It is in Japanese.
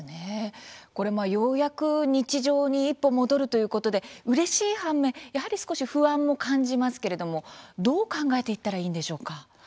ようやく日常に一歩戻るということでうれしい反面やはり少し不安も感じますけれどもどう考えていったらいいんでしょうか。